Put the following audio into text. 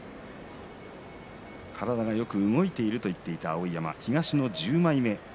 体がよく動いているといった碧山、東の１０枚目。